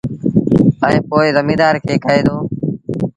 ائيٚݩ پو زميݩدآر کي ڪهي دو